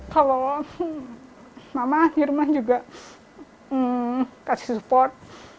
kalau mama di rumah juga kasih support